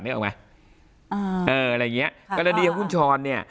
นึกออกไหมเอออะไรอย่างเงี้ยกรณีของคุณชรเนี่ย